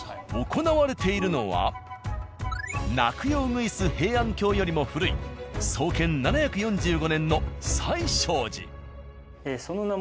行われているのは「鳴くようぐいす平安京」よりも古い創建７４５年の最勝寺。